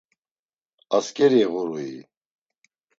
Askeri ğurui?